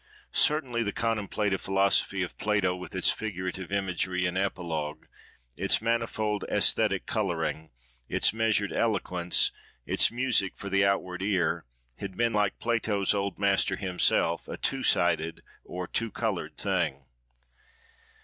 Certainly, the contemplative philosophy of Plato, with its figurative imagery and apologue, its manifold æsthetic colouring, its measured eloquence, its music for the outward ear, had been, like Plato's old master himself, a two sided or two coloured thing.